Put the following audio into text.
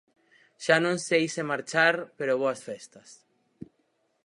Xa non sei se marchar, pero boas festas.